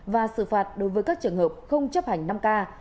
và xử phạt đối với các trường hợp không chấp hành năm k